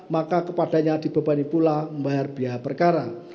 maka kepadanya dibebani pula membayar biaya perkara